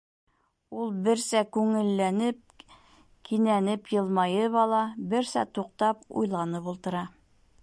Ул, берсә күңелләнеп, кинәнеп йылмайып ала, берсә туҡтап, уйланып ултыра.